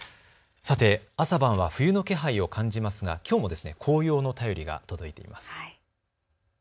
さて、朝晩は冬の気配を感じますがきょうも紅葉の便りが届いています。